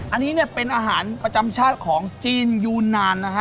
อันนี้เนี่ยเป็นอาหารประจำชาติของจีนยูนานนะฮะ